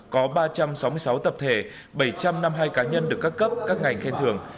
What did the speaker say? có ba trăm sáu mươi sáu tập thể bảy trăm năm mươi hai cá nhân được các cấp các ngành khen thưởng